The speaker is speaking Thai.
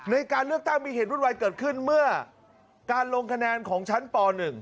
ในการเลือกตั้งมีเหตุวุ่นวายเกิดขึ้นเมื่อการลงคะแนนของชั้นป๑